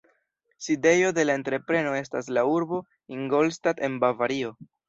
Sidejo de la entrepreno estas la urbo Ingolstadt en Bavario.